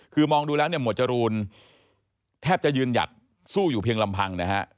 คือมองดูแล้วเนี่ยหมวดจรูนแทบจะยืนหยัดสู้อยู่เพียงลำพังนะฮะ